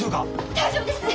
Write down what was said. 大丈夫です！